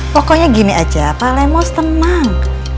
pokoknya gini aja pak lemos tenang